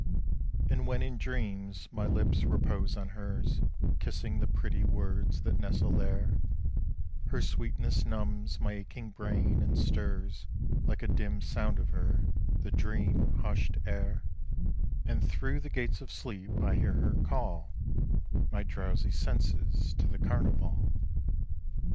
126 ONE MORE SONG And when in dreams my lips repose on hers Kissing the pretty words that nestle there, Her sweetness numbs my aching brain and stirs Like a dim sound of her, the dream hushed air, And through the gates of sleep I hear her call My drowsy senses to the carnival.